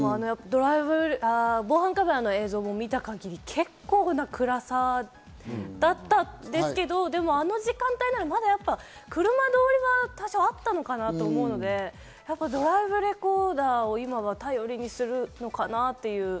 防犯カメラの映像を見た限り、結構な暗さだったんですけど、あの時間帯ならやっぱ車通りは多少あったのかなと思うので、ドライブレコーダーを今は頼りにするのかなと。